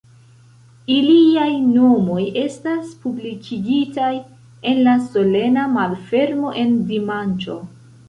Iliaj nomoj estas publikigitaj en la solena malfermo en dimanĉo.